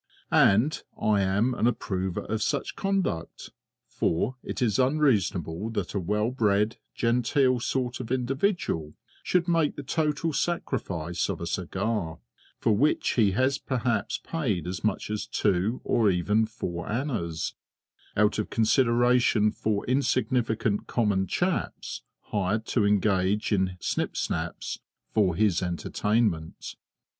And I am an approver of such conduct for it is unreasonable that a well bred, genteel sort of individual should make the total sacrifice of a cigar, for which he has perhaps paid as much as two or even four annas, out of consideration for insignificant common chaps hired to engage in snipsnaps for his entertainment.